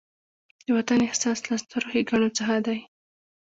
د وطن احساس له سترو ښېګڼو څخه دی.